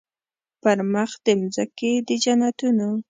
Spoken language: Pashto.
پر مخ د مځکي د جنتونو